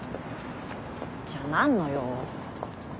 じゃあ何の用？